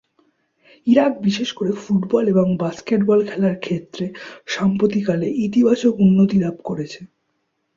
Iraq বিশেষ করে football এবং বাস্কেটবল খেলার ক্ষেত্রে সাম্প্রতিককালে ইতিবাচক উন্নতি লাভ করেছে।